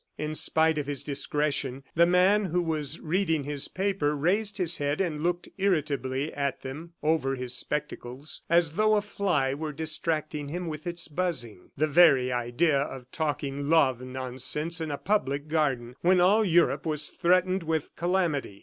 ... In spite of his discretion, the man who was reading his paper raised his head and looked irritably at them over his spectacles as though a fly were distracting him with its buzzing. ... The very idea of talking love nonsense in a public garden when all Europe was threatened with calamity!